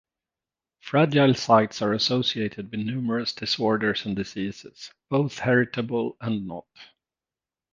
Fragile sites are associated with numerous disorders and diseases, both heritable and not.